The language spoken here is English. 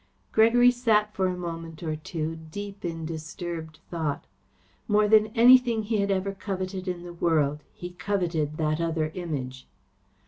Gregory sat for a moment or two deep in disturbed thought. More than anything he had ever coveted in the world he coveted that other Image.